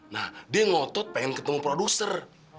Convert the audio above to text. nah dia ngotot pengen ketemu produser